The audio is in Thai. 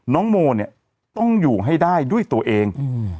น้องโมเนี่ยต้องอยู่ให้ได้ด้วยตัวเอง